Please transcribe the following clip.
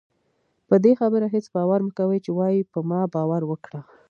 پدې خبره هېڅ باور مکوئ چې وايي په ما باور وکړه